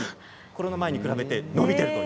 コロナ前に比べて伸びています。